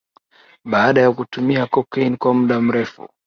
Baada ya kutumia cocaine kwa muda mrefu